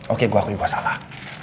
oke gue akui gue salah